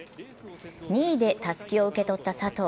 ２位でたすきを受け取った佐藤。